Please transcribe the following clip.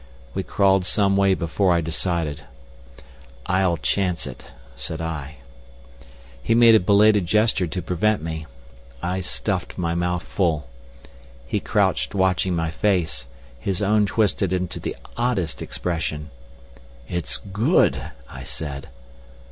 We crawled some way before I decided. "I'll chance it," said I. He made a belated gesture to prevent me. I stuffed my mouth full. He crouched watching my face, his own twisted into the oddest expression. "It's good," I said.